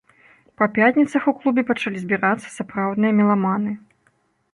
Па пятніцах у клубе пачалі збірацца сапраўдныя меламаны.